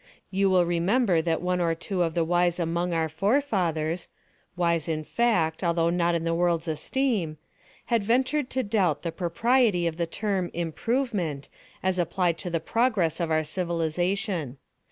You will remember that one or two of the wise among our forefathers—wise in fact, although not in the world's esteem—had ventured to doubt the propriety of the term "improvement," as applied to the progress of our civilization.